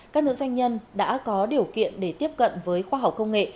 các nữ doanh nhân đã có điều kiện để tiếp cận với khoa học công nghệ